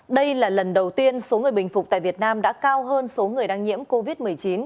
đây là lần đầu tiên số người bình phục tại việt nam đã cao hơn số người đang nhiễm covid một mươi chín